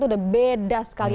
itu sudah beda sekali